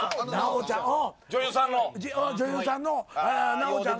奈緒ちゃん。